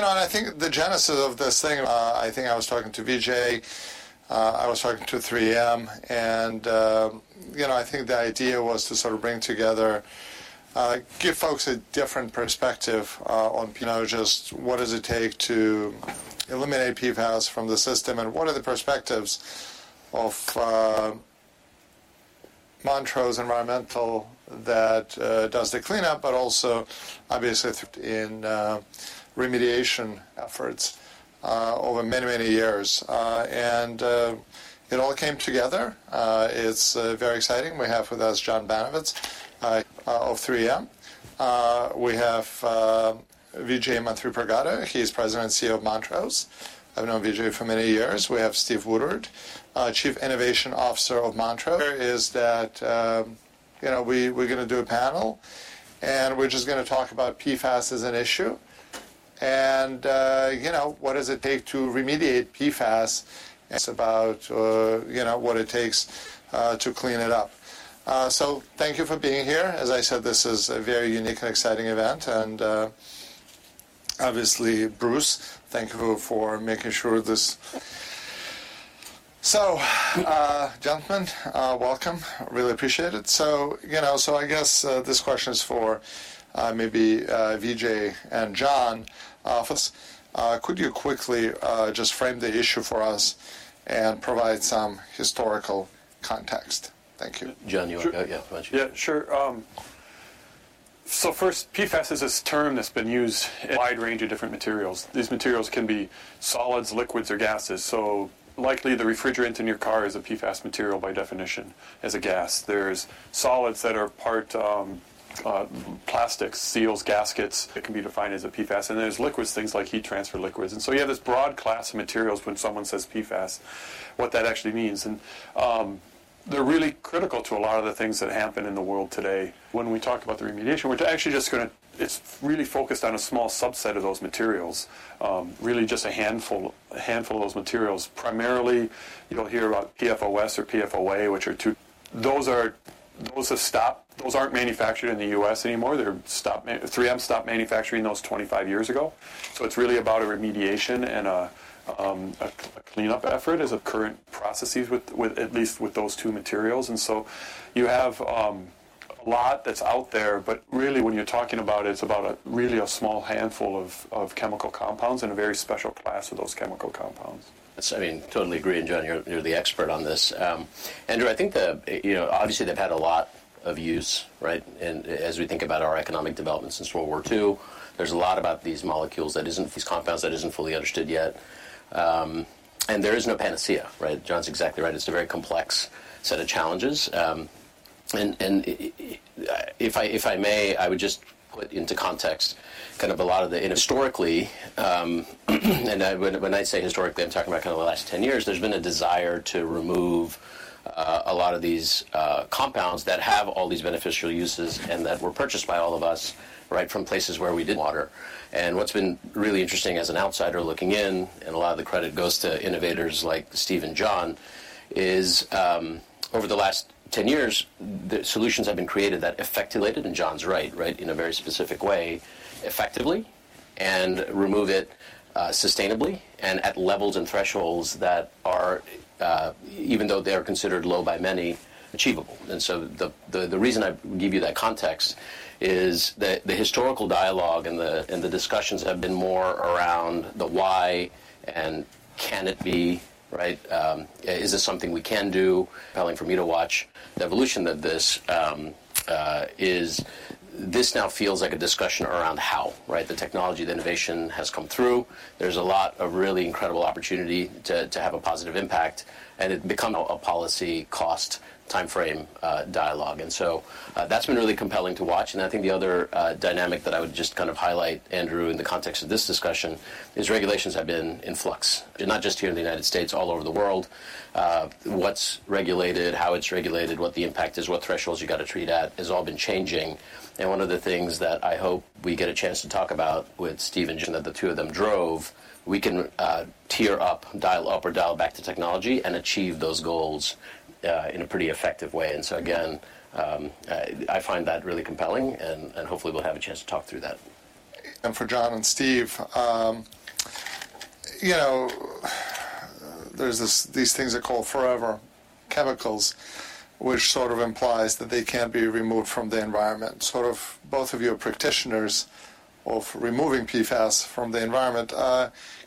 You know, and I think the genesis of this thing, I think I was talking to Vijay, I was talking to 3M, and, you know, I think the idea was to sort of bring together, give folks a different perspective, on, you know, just what does it take to eliminate PFAS from the system, and what are the perspectives of, Montrose Environmental that, does the cleanup, but also obviously in, remediation efforts, over many, many years. And, it all came together. It's, very exciting. We have with us John Banovetz, of 3M. We have, Vijay Manthripragada. He's President and CEO of Montrose. I've known Vijay for many years. We have Steve Woodard, Chief Innovation Officer of Montrose. Is that, you know, we're gonna do a panel, and we're just gonna talk about PFAS as an issue, and, you know, what does it take to remediate PFAS? It's about, you know, what it takes to clean it up. So thank you for being here. As I said, this is a very unique and exciting event, and, obviously, Bruce, thank you for making sure this... Gentlemen, welcome. Really appreciate it. So, you know, so I guess, this question is for, maybe, Vijay and John. For us, could you quickly, just frame the issue for us and provide some historical context? Thank you. John, you want to go? Yeah, why don't you- Yeah, sure. So first, PFAS is this term that's been used, a wide range of different materials. These materials can be solids, liquids, or gases, so likely the refrigerant in your car is a PFAS material by definition, as a gas. There's solids that are part, plastics, seals, gaskets, that can be defined as a PFAS, and there's liquids, things like heat transfer liquids. And so you have this broad class of materials when someone says PFAS, what that actually means, and they're really critical to a lot of the things that happen in the world today. When we talk about the remediation, we're actually just gonna, it's really focused on a small subset of those materials, really just a handful, a handful of those materials. Primarily, you'll hear about PFOS or PFOA, which are two... Those are, those have stopped. Those aren't manufactured in the U.S. anymore. 3M stopped manufacturing those 25 years ago. So it's really about a remediation and a cleanup effort as of current processes with at least with those two materials, and so you have a lot that's out there, but really when you're talking about it, it's about really a small handful of chemical compounds and a very special class of those chemical compounds. Yes, I mean, totally agree, and John, you're the expert on this. Andrew, I think the, you know, obviously, they've had a lot of use, right? And as we think about our economic development since World War II, there's a lot about these molecules that isn't, these compounds, that isn't fully understood yet. And there is no panacea, right? John's exactly right. It's a very complex set of challenges. And if I may, I would just put into context kind of a lot of the historically, and I, when I say historically, I'm talking about kind of the last 10 years, there's been a desire to remove a lot of these compounds that have all these beneficial uses and that were purchased by all of us, right, from places where we did water. What's been really interesting as an outsider looking in, and a lot of the credit goes to innovators like Steve and John, is over the last 10 years, the solutions have been created that effectuated, and John's right, right, in a very specific way, effectively, and remove it, sustainably and at levels and thresholds that are even though they are considered low by many, achievable. And so the reason I give you that context is the historical dialogue and the discussions have been more around the why and can it be, right, is this something we can do? Compelling for me to watch the evolution of this, is this now feels like a discussion around how, right? The technology, the innovation has come through. There's a lot of really incredible opportunity to, to have a positive impact, and it become a policy, cost, time frame, dialogue. And so, that's been really compelling to watch, and I think the other, dynamic that I would just kind of highlight, Andrew, in the context of this discussion, is regulations have been in flux, and not just here in the United States, all over the world. What's regulated, how it's regulated, what the impact is, what thresholds you've got to treat at, has all been changing. And one of the things that I hope we get a chance to talk about with Steve and John, that the two of them drove, we can, tier up, dial up or dial back to technology and achieve those goals, in a pretty effective way. And so again, I find that really compelling, and hopefully we'll have a chance to talk through that. For John and Steve, you know, there's this, these things are called forever chemicals, which sort of implies that they can't be removed from the environment. Sort of both of you are practitioners of removing PFAS from the environment.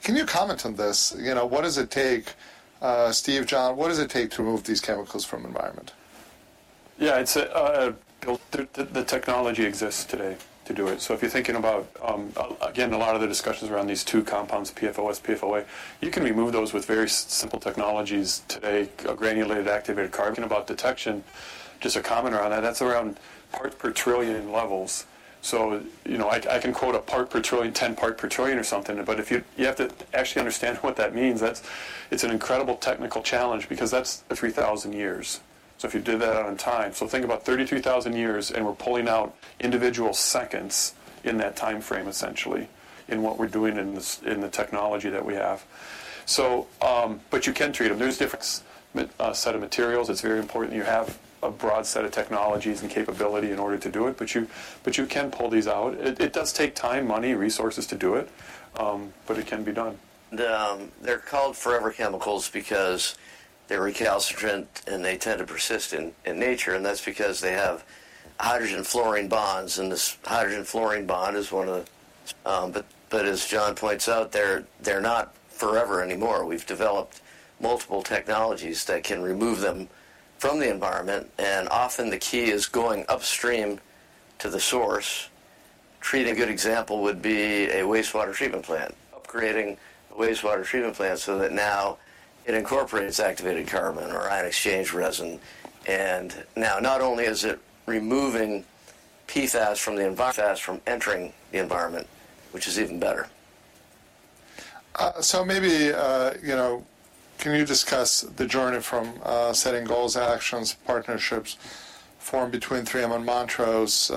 Can you comment on this? You know, what does it take, Steve, John, what does it take to remove these chemicals from the environment? Yeah, it's the technology exists today to do it. So if you're thinking about, again, a lot of the discussions around these two compounds, PFOS, PFOA, you can remove those with very simple technologies today, a granulated activated carbon. About detection, just a comment around that, that's around part per trillion levels. So you know, I can quote a part per trillion, 10 part per trillion or something, but if you... You have to actually understand what that means. That's it's an incredible technical challenge because that's 3,000 years.... so if you did that out in time, so think about 32,000 years, and we're pulling out individual seconds in that time frame, essentially, in what we're doing in this, in the technology that we have. So, but you can treat them. There's different set of materials. It's very important you have a broad set of technologies and capability in order to do it, but you can pull these out. It does take time, money, resources to do it, but it can be done. They're called forever chemicals because they're recalcitrant, and they tend to persist in nature, and that's because they have hydrogen-fluorine bonds, and this hydrogen-fluorine bond is one of the... But as John points out, they're not forever anymore. We've developed multiple technologies that can remove them from the environment, and often the key is going upstream to the source. A good example would be a wastewater treatment plant. Upgrading a wastewater treatment plant so that now it incorporates activated carbon or ion exchange resin, and now not only is it removing PFAS, PFAS from entering the environment, which is even better. So maybe, you know, can you discuss the journey from setting goals, actions, partnerships formed between 3M and Montrose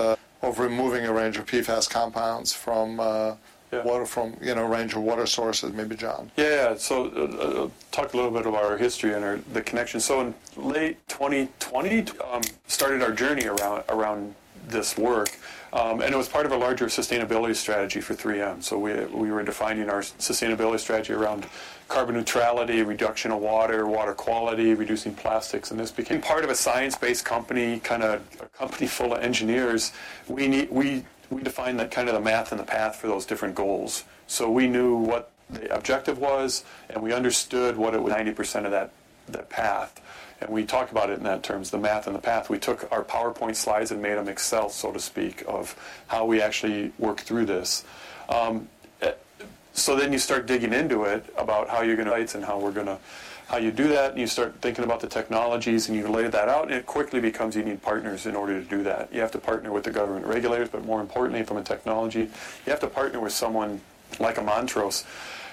of removing a range of PFAS compounds from Yeah... water from, you know, a range of water sources, maybe, John? Yeah, yeah. So, talk a little bit about our history and our, the connection. So in late 2020, started our journey around this work, and it was part of a larger sustainability strategy for 3M. So we were defining our sustainability strategy around carbon neutrality, reduction of water, water quality, reducing plastics, and this became part of a science-based company, kind of a company full of engineers. We defined the kind of the math and the path for those different goals. So we knew what the objective was, and we understood what it was, 90% of that path, and we talked about it in that terms, the math and the path. We took our PowerPoint slides and made them Excel, so to speak, of how we actually work through this. So then you start digging into it about how you're gonna and how you do that, and you start thinking about the technologies, and you lay that out, and it quickly becomes you need partners in order to do that. You have to partner with the government regulators, but more importantly, from a technology, you have to partner with someone like Montrose.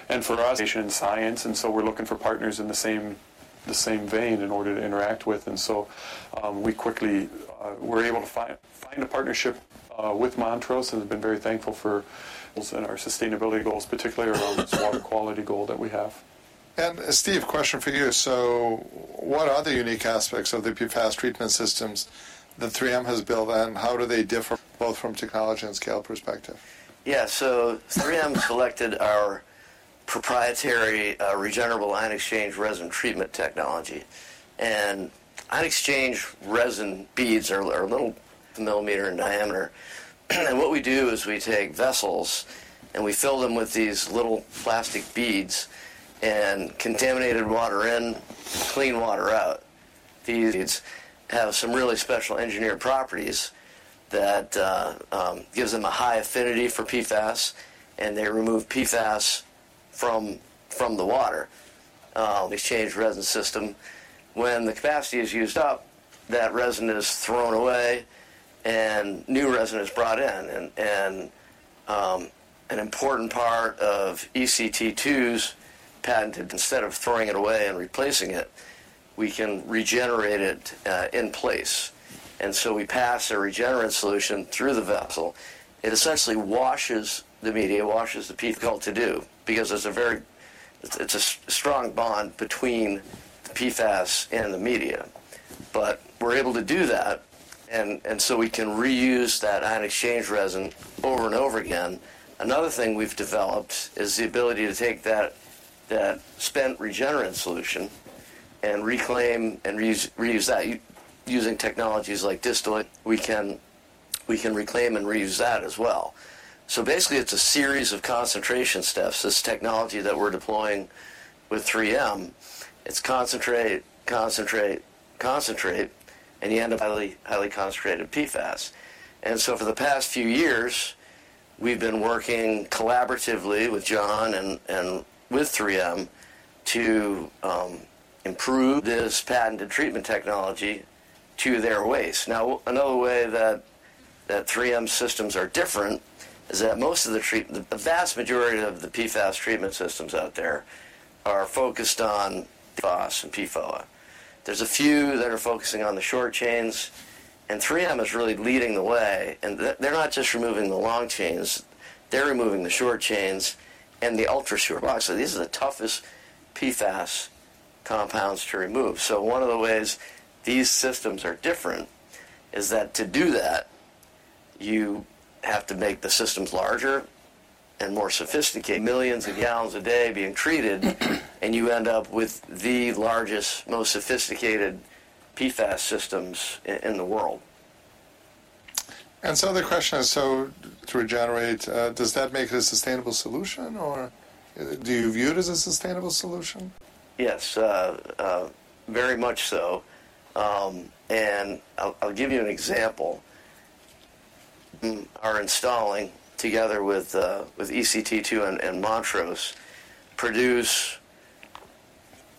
And for us, innovation and science, and so we're looking for partners in the same vein in order to interact with. And so we quickly were able to find a partnership with Montrose and have been very thankful for our sustainability goals, particularly around this water quality goal that we have. Steve, question for you. What are the unique aspects of the PFAS treatment systems that 3M has built, and how do they differ, both from technology and scale perspective? Yeah, 3M selected our proprietary regenerable ion exchange resin treatment technology. Ion exchange resin beads are little millimeter in diameter, and what we do is we take vessels, and we fill them with these little plastic beads, contaminated water in, clean water out. These beads have some really special engineered properties that gives them a high affinity for PFAS, and they remove PFAS from the water, the exchange resin system. When the capacity is used up, that resin is thrown away, and new resin is brought in. An important part of ECT2's patented, instead of throwing it away and replacing it, we can regenerate it in place. So we pass a regenerant solution through the vessel. It essentially washes the media, washes the PFAS. Difficult to do because there's a very... It's a strong bond between the PFAS and the media. But we're able to do that, and so we can reuse that ion exchange resin over and over again. Another thing we've developed is the ability to take that spent regenerant solution and reclaim and reuse that. Using technologies like distillate, we can reclaim and reuse that as well. So basically, it's a series of concentration steps. This technology that we're deploying with 3M, it's concentrate, concentrate, concentrate, and you end up highly concentrated PFAS. And so for the past few years, we've been working collaboratively with John and with 3M to improve this patented treatment technology to their waste. Now, another way that 3M systems are different is that most of the—the vast majority of the PFAS treatment systems out there are focused on PFOS and PFOA. There's a few that are focusing on the short chains, and 3M is really leading the way, and they're not just removing the long chains, they're removing the short chains and the ultra-short chains. So these are the toughest PFAS compounds to remove. So one of the ways these systems are different is that to do that, you have to make the systems larger and more sophisticated. Millions of gallons a day being treated, and you end up with the largest, most sophisticated PFAS systems in the world. So the question is, so to regenerate, does that make it a sustainable solution, or do you view it as a sustainable solution? Yes, very much so. And I'll give you an example. We are installing together with ECT2 and Montrose, produce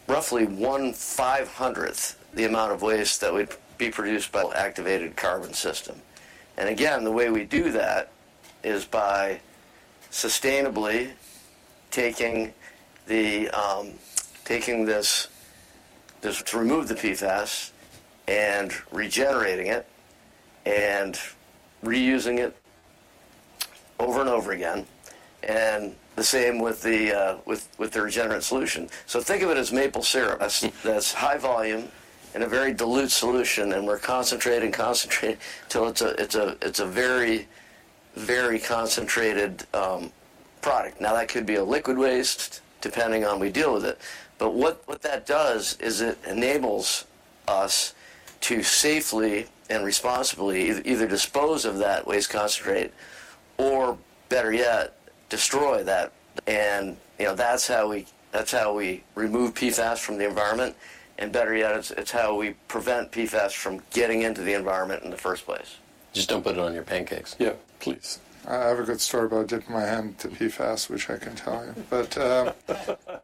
roughly 1/500th the amount of waste that would be produced by activated carbon system. Again, the way we do that is by sustainably- ...taking this to remove the PFAS and regenerating it and reusing it over and over again, and the same with the regenerant solution. So think of it as maple syrup. That's high volume and a very dilute solution, and we're concentrating till it's a very, very concentrated product. Now, that could be a liquid waste, depending on we deal with it. But what that does is it enables us to safely and responsibly either dispose of that waste concentrate or, better yet, destroy that. And, you know, that's how we remove PFAS from the environment, and better yet, it's how we prevent PFAS from getting into the environment in the first place. Just don't put it on your pancakes. Yeah, please. I have a good story about dipping my hand to PFAS, which I can tell you. But,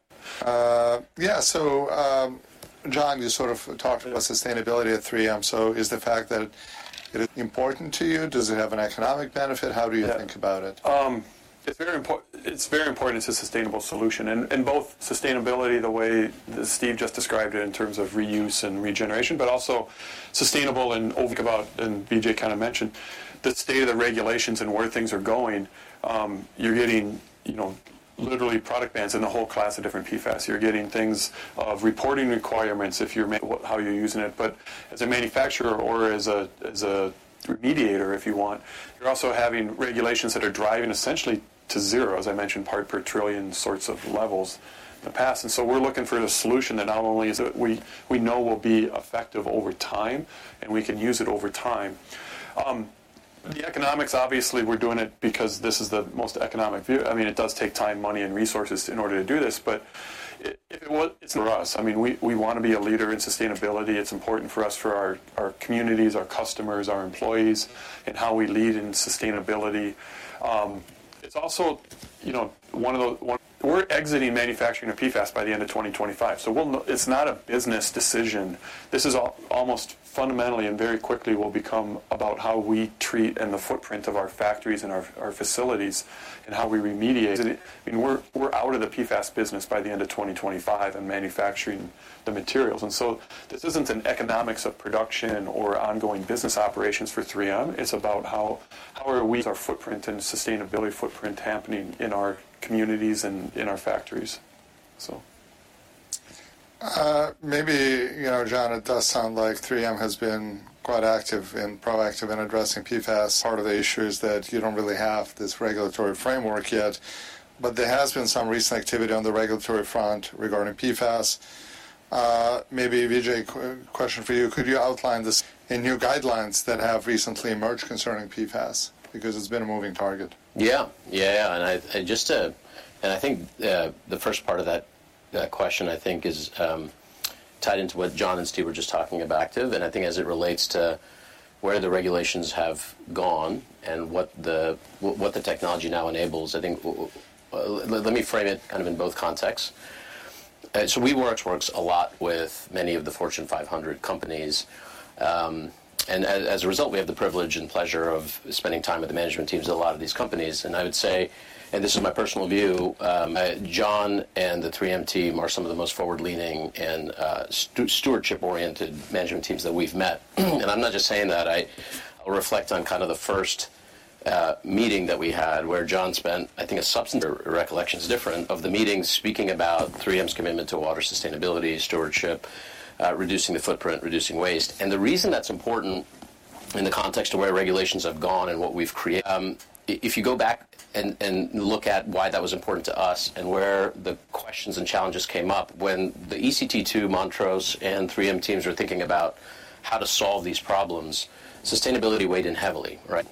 yeah. So, John, you sort of talked about sustainability at 3M. So is the fact that it is important to you? Does it have an economic benefit? Yeah. How do you think about it? It's very important it's a sustainable solution. And, and both sustainability, the way Steve just described it in terms of reuse and regeneration, but also sustainable and think about, and Vijay kinda mentioned, the state of the regulations and where things are going. You're getting, you know, literally product bans in the whole class of different PFAS. You're getting things of reporting requirements if you're manufacturing - what - how you're using it. But as a manufacturer or as a, as a remediator, if you want, you're also having regulations that are driving essentially to zero, as I mentioned, part per trillion sorts of levels in the past. And so we're looking for a solution that not only is it we, we know will be effective over time, and we can use it over time. The economics, obviously, we're doing it because this is the most economic view. I mean, it does take time, money, and resources in order to do this, but well, it's for us. I mean, we wanna be a leader in sustainability. It's important for us, for our communities, our customers, our employees, and how we lead in sustainability. It's also, you know, one of the ones we're exiting manufacturing of PFAS by the end of 2025, so we'll... It's not a business decision. This is almost fundamentally and very quickly will become about how we treat and the footprint of our factories and our facilities and how we remediate it. I mean, we're out of the PFAS business by the end of 2025 and manufacturing the materials. So this isn't an economics of production or ongoing business operations for 3M. It's about how are we our footprint and sustainability footprint happening in our communities and in our factories, so. Maybe, you know, John, it does sound like 3M has been quite active and proactive in addressing PFAS. Part of the issue is that you don't really have this regulatory framework yet, but there has been some recent activity on the regulatory front regarding PFAS. Maybe, Vijay, question for you: Could you outline this in new guidelines that have recently emerged concerning PFAS? Because it's been a moving target. Yeah. Yeah, yeah. And just to... And I think the first part of that question, I think, is tied into what John and Steve were just talking about active. And I think as it relates to where the regulations have gone and what the technology now enables, I think let me frame it kind of in both contexts. So we work a lot with many of the Fortune 500 companies. And as a result, we have the privilege and pleasure of spending time with the management teams of a lot of these companies. And I would say, and this is my personal view, John and the 3M team are some of the most forward-leaning and stewardship-oriented management teams that we've met. And I'm not just saying that. I'll reflect on kind of the first meeting that we had, where John spent, I think, a substantial recollection is different, of the meeting, speaking about 3M's commitment to water sustainability, stewardship, reducing the footprint, reducing waste. And the reason that's important in the context of where regulations have gone and what we've created, if you go back and, and look at why that was important to us and where the questions and challenges came up, when the ECT2, Montrose, and 3M teams were thinking about how to solve these problems, sustainability weighed in heavily, right?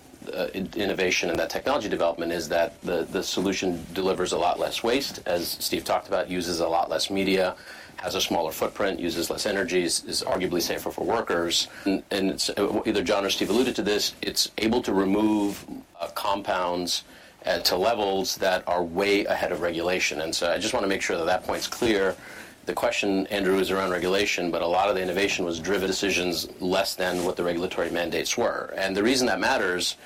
Innovation and that technology development is that the, the solution delivers a lot less waste, as Steve talked about, uses a lot less media, has a smaller footprint, uses less energies, is arguably safer for workers. And, and it's... Either John or Steve alluded to this, it's able to remove compounds to levels that are way ahead of regulation. And so I just wanna make sure that that point is clear. The question, Andrew, is around regulation, but a lot of the innovation was driven decisions less than what the regulatory mandates were. And the reason that matters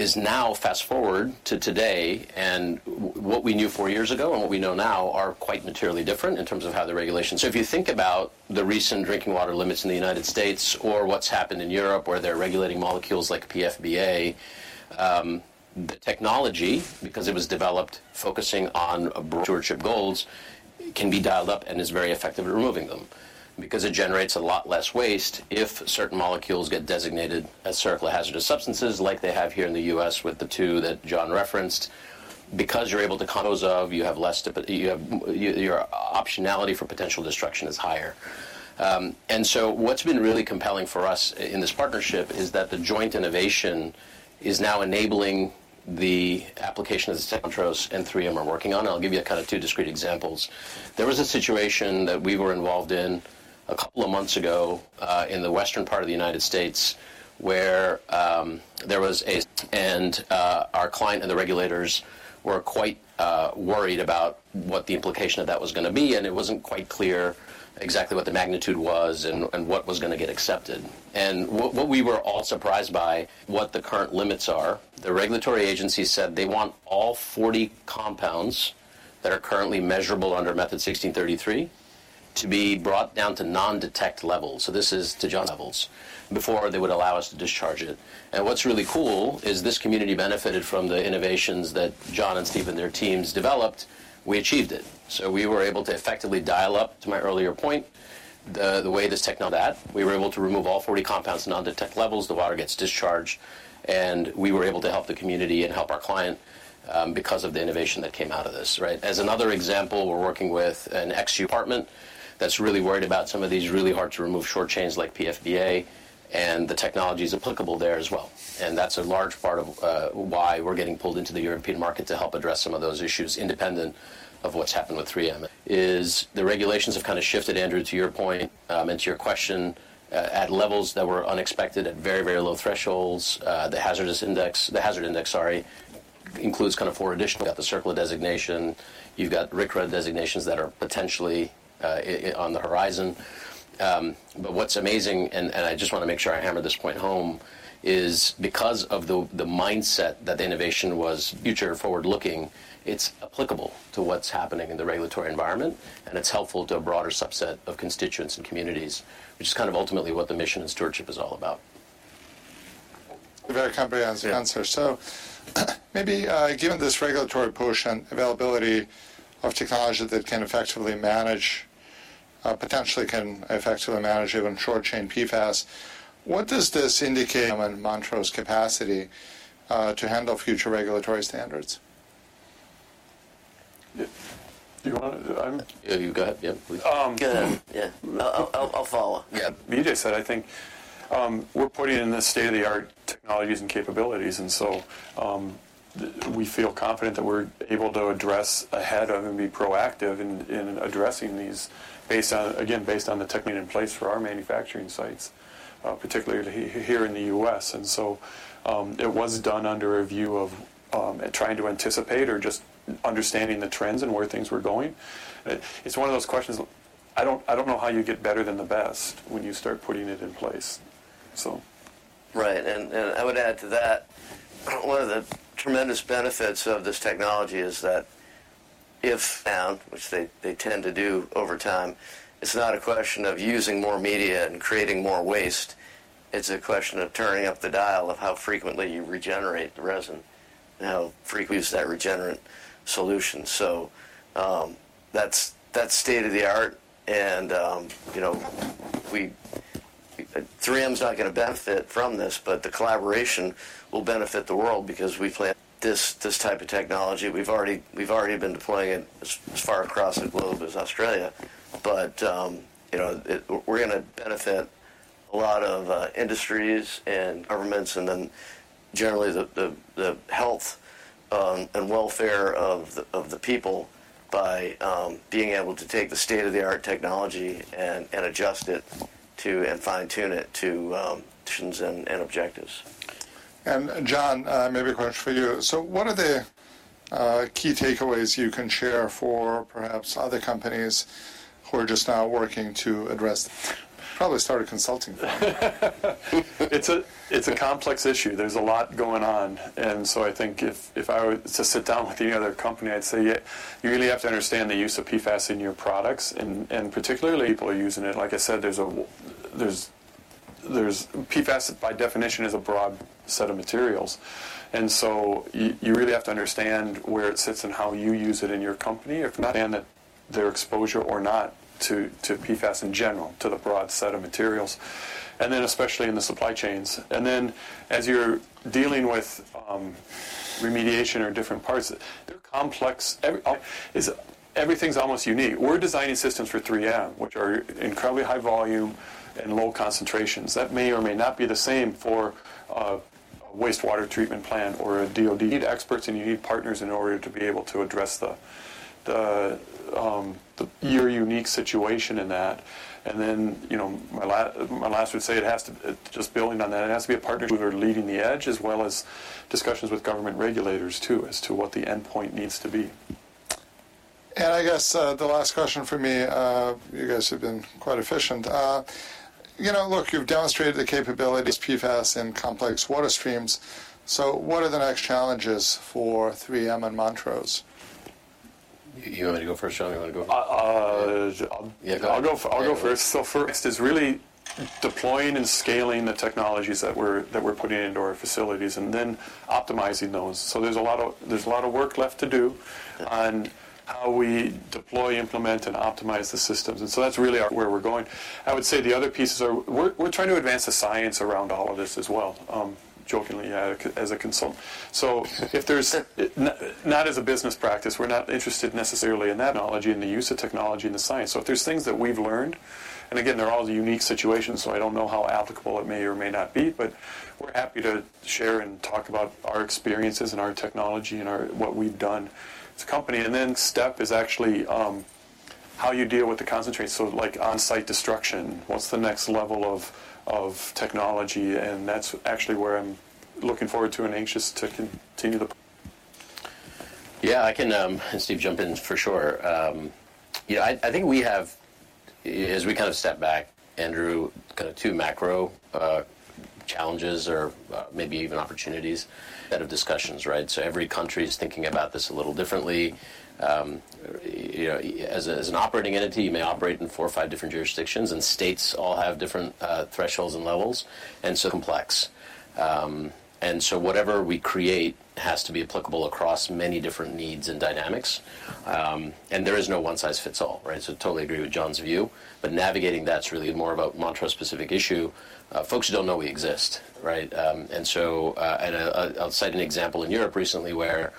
is now fast-forward to today, and what we knew four years ago and what we know now are quite materially different in terms of how the regulations. So if you think about the recent drinking water limits in the United States or what's happened in Europe, where they're regulating molecules like PFBA, the technology, because it was developed focusing on stewardship goals, can be dialed up and is very effective at removing them. Because it generates a lot less waste if certain molecules get designated as CERCLA hazardous substances, like they have here in the U.S. with the two that John referenced. Because you're able to dispose of. You have less. You have optionality for potential destruction is higher. And so what's been really compelling for us in this partnership is that the joint innovation is now enabling the application of the Montrose and 3M are working on, and I'll give you a kind of two discrete examples. There was a situation that we were involved in a couple of months ago, in the Western United States, where our client and the regulators were quite worried about what the implication of that was gonna be, and it wasn't quite clear exactly what the magnitude was and what was gonna get accepted. And what we were all surprised by: what the current limits are. The regulatory agency said they want all 40 compounds that are currently measurable under Method 1633 to be brought down to non-detect levels. So this is to non-detect levels. Before, they would allow us to discharge it. And what's really cool is this community benefited from the innovations that John and Steve and their teams developed. We achieved it. So we were able to effectively dial up, to my earlier point. We were able to remove all 40 compounds to non-detect levels. The water gets discharged, and we were able to help the community and help our client, because of the innovation that came out of this, right? As another example, we're working with an Ag department that's really worried about some of these really hard-to-remove short chains like PFBA, and the technology is applicable there as well. And that's a large part of why we're getting pulled into the European market to help address some of those issues, independent of what's happened with 3M, is the regulations have kinda shifted, Andrew, to your point, and to your question, at levels that were unexpected at very, very low thresholds. The Hazard Index, sorry, includes kind of four additional. You got the CERCLA designation, you've got RCRA designations that are potentially on the horizon. But what's amazing, and, and I just wanna make sure I hammer this point home, is because of the, the mindset that the innovation was future forward-looking, it's applicable to what's happening in the regulatory environment, and it's helpful to a broader subset of constituents and communities, which is kind of ultimately what the mission and stewardship is all about. Very comprehensive answer. Yeah. So maybe, given this regulatory push and availability of technology that can effectively manage, potentially can effectively manage even short-chain PFAS, what does this indicate in Montrose capacity, to handle future regulatory standards? Yeah. Do you want to... Yeah, you go ahead. Yeah, please. Um- Go ahead. Yeah. I'll follow. Yeah. You just said, I think, we're putting in the state-of-the-art technologies and capabilities, and so, we feel confident that we're able to address ahead of and be proactive in, in addressing these based on, again, based on the technique in place for our manufacturing sites, particularly here in the U.S. It was done under a view of, trying to anticipate or just understanding the trends and where things were going. It's one of those questions, I don't, I don't know how you get better than the best when you start putting it in place, so. Right. And I would add to that, one of the tremendous benefits of this technology is that if found, which they tend to do over time, it's not a question of using more media and creating more waste, it's a question of turning up the dial of how frequently you regenerate the resin and how frequently use that regenerant solution. So, that's state-of-the-art, and you know, 3M's not gonna benefit from this, but the collaboration will benefit the world because we plan this type of technology, we've already been deploying it as far across the globe as Australia. But you know, it... We're gonna benefit a lot of industries and governments, and then generally, the health and welfare of the people by being able to take the state-of-the-art technology and adjust it to and fine-tune it to solutions and objectives. And John, maybe a question for you. So what are the key takeaways you can share for perhaps other companies who are just now working to address? Probably started consulting them. It's a complex issue. There's a lot going on, and so I think if I were to sit down with any other company, I'd say: Yeah, you really have to understand the use of PFAS in your products and particularly people are using it. Like I said, PFAS, by definition, is a broad set of materials, and so you really have to understand where it sits and how you use it in your company. If not, then their exposure or not to PFAS in general, to the broad set of materials, and then especially in the supply chains. And then, as you're dealing with remediation or different parts, they're complex. Everything's almost unique. We're designing systems for 3M, which are incredibly high volume and low concentrations. That may or may not be the same for a wastewater treatment plant or a DoD. You need experts, and you need partners in order to be able to address your unique situation in that. And then, you know, my last would say it has to... Just building on that, it has to be a partner who are leading the edge, as well as discussions with government regulators, too, as to what the endpoint needs to be. I guess, the last question from me, you guys have been quite efficient. You know, look, you've demonstrated the capabilities, PFAS and complex water streams, so what are the next challenges for 3M and Montrose? You want me to go first, John, or you wanna go? Uh, uh- Yeah, go. I'll go first. So first is really deploying and scaling the technologies that we're putting into our facilities and then optimizing those. So there's a lot of work left to do- Yeah... on how we deploy, implement, and optimize the systems, and so that's really our where we're going. I would say the other pieces are we're trying to advance the science around all of this as well, jokingly, as a consultant. So if there's not as a business practice, we're not interested necessarily in that technology and the use of technology and the science. So if there's things that we've learned, and again, they're all unique situations, so I don't know how applicable it may or may not be, but we're happy to share and talk about our experiences and our technology and our, what we've done as a company. And then step is actually how you deal with the concentrate, so like on-site destruction, what's the next level of technology? And that's actually where I'm looking forward to and anxious to continue the- Yeah, I can, and Steve, jump in for sure. Yeah, I think we have, as we kind of step back, Andrew, kind of two macro challenges or maybe even opportunities that have discussions, right? So every country is thinking about this a little differently. You know, as a, as an operating entity, you may operate in four or five different jurisdictions, and states all have different thresholds and levels, and so complex. And so whatever we create has to be applicable across many different needs and dynamics. And there is no one-size-fits-all, right? So totally agree with John's view, but navigating that's really more about Montrose specific issue. Folks don't know we exist, right? And I'll cite an example in Europe recently where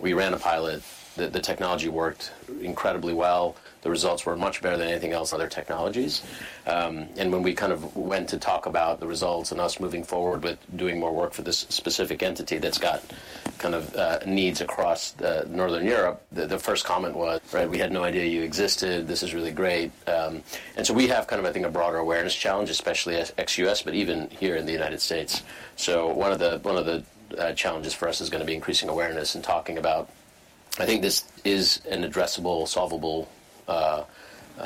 we ran a pilot. The technology worked incredibly well. The results were much better than anything else, other technologies. And when we kind of went to talk about the results and us moving forward with doing more work for this specific entity that's got kind of, needs across, Northern Europe, the first comment was, "Right, we had no idea you existed. This is really great." And so we have kind of, I think, a broader awareness challenge, especially as ex-U.S., but even here in the United States. So one of the challenges for us is gonna be increasing awareness and talking about, I think this is an addressable, solvable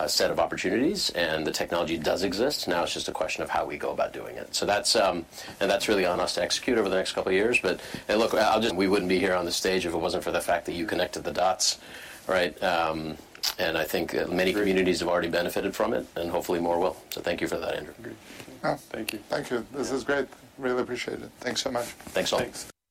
set of opportunities, and the technology does exist. Now, it's just a question of how we go about doing it. So that's, and that's really on us to execute over the next couple of years. But look, we wouldn't be here on the stage if it wasn't for the fact that you connected the dots, right? And I think many communities have already benefited from it, and hopefully, more will. So thank you for that, Andrew. Agreed. Well- Thank you. Thank you. This is great. Really appreciate it. Thanks so much. Thanks all. Thanks.